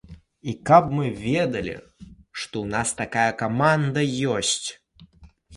І каб мы ведалі, што ў нас такая каманда ёсць.